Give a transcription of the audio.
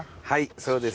そうです